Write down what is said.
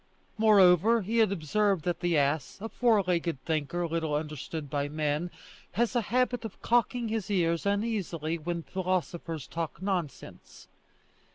Moreover he had observed that the ass, a four legged thinker little understood by men, has a habit of cocking his ears uneasily when philosophers talk nonsense.